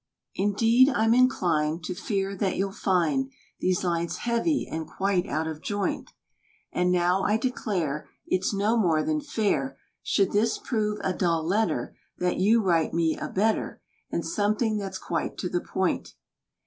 Indeed I'm inclined, To fear that you'll find These lines heavy, and quite out of joint; And now I declare, It's no more than fair, Should this prove a dull letter, That you write me a better; And something that's quite to the point.